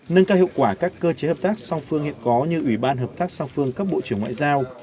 nâng cao hiệu quả các cơ chế hợp tác song phương hiện có như ủy ban hợp tác song phương các bộ trưởng ngoại giao